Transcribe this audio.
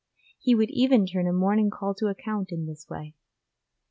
He would even turn a morning call to account in this way.